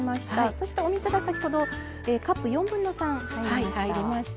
そしてお水がカップ４分の３入りました。